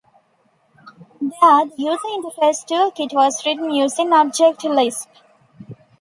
There, the user interface toolkit was written using Object Lisp.